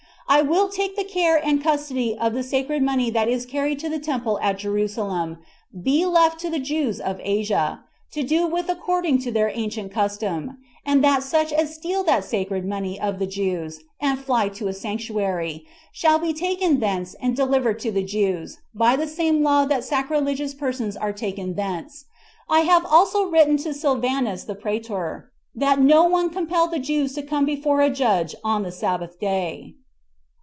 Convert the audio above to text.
I will that the care and custody of the sacred money that is carried to the temple at Jerusalem be left to the Jews of Asia, to do with it according to their ancient custom; and that such as steal that sacred money of the Jews, and fly to a sanctuary, shall be taken thence and delivered to the Jews, by the same law that sacrilegious persons are taken thence. I have also written to Sylvanus the praetor, that no one compel the Jews to come before a judge on the sabbath day."